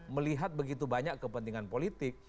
melihat begitu banyak kepentingan politik